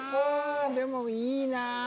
でもいいなぁ。